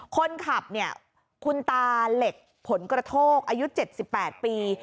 คนขับเนี่ยคุณตาเหล็กผลกระโทกอายุเจ็ดสิบแปดปี